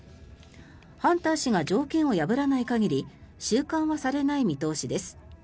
ハンター氏が条件を破らない限り収監はされない見通しです。